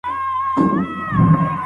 دسکشي کله کارول کیږي؟